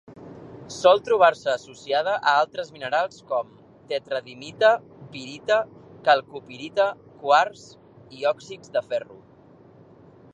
Sol trobar-se associada a altres minerals com: tetradimita, pirita, calcopirita, quars i òxids de ferro.